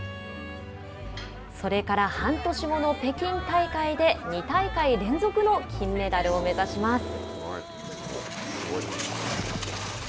それから半年後の北京大会で２大会連続の金メダルを目指します。